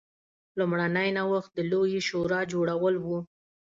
لومړنی نوښت د لویې شورا جوړول و